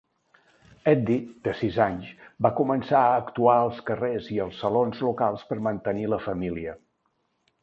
Eddie, de sis anys, va començar a actuar als carrers i als salons locals per mantenir la família.